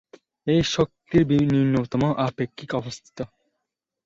এটিই শক্তির নিম্নতম আপেক্ষিক অবস্থান।